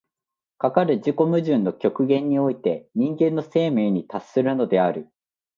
かかる自己矛盾の極限において人間の生命に達するのである。